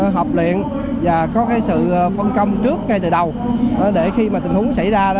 học luyện và có sự phân công trước ngay từ đầu để khi tình huống xảy ra